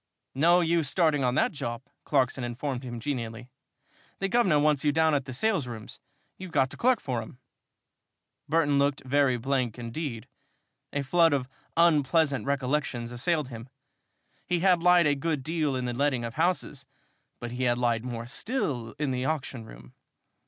"No use starting on that job," Clarkson informed him, genially. "The guvnor wants you down at the salesrooms, you've got to clerk for him." Burton looked very blank indeed. A flood of unpleasant recollections assailed him. He had lied a good deal in the letting of houses, but he had lied more still in the auction room.